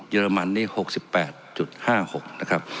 เรมันนี่๖๘๕๖นะครับ